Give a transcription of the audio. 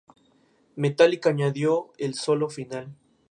Metallica añadió el solo final.